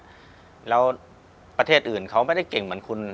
ที่ผ่านมาที่มันถูกบอกว่าเป็นกีฬาพื้นบ้านเนี่ย